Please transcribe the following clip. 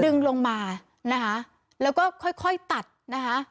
ดึงลงมานะคะแล้วก็ค่อยค่อยตัดนะคะ